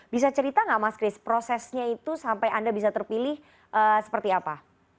bisa cerita nggak mas kris prosesnya itu sampai anda bisa terpilih seperti apa